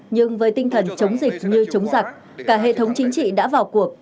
nhưng với tinh thần chống dịch như chống giặc cả hệ thống chính trị đã vào cuộc